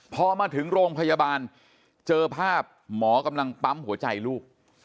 พอมาถึงโรงพยาบาลเจอภาพหมอกำลังปั๊มหัวใจลูก